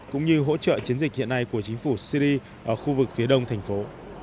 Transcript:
cũng như hỗ trợ chiến dịch hiện nay của chính phủ syri ở khu vực phía đông thành phố